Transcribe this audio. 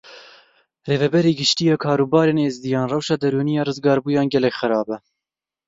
Rêveberê Giştî yê Karûbarên Êzidiyan, rewşa derûnî ya rizgarbûyan gelek xerab e.